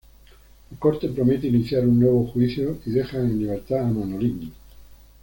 La corte promete iniciar un nuevo juicio y dejan en libertad a Manolín.